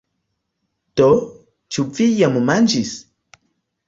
Do, ĉu vi jam manĝis?